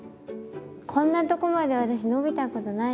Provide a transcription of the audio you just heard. こんなとこまで私伸びたことないです。